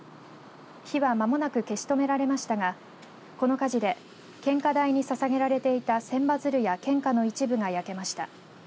火はまもなく消し止められましたがこの火事で献花台にささげられていた千羽鶴や献花の一部が焼けました。